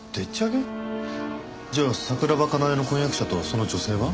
じゃあ桜庭かなえの婚約者とその女性は？